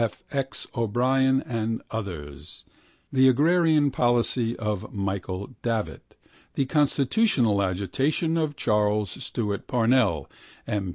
F. X. O'Brien and others, the agrarian policy of Michael Davitt, the constitutional agitation of Charles Stewart Parnell (M.